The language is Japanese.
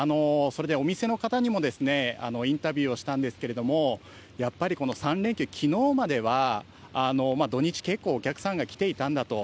それでお店の方にもインタビューをしたんですけれども、やっぱり、この３連休、きのうまでは土日、結構お客さんが来ていたんだと。